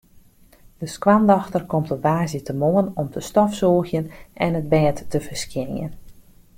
De skoandochter komt op woansdeitemoarn om te stofsûgjen en it bêd te ferskjinjen.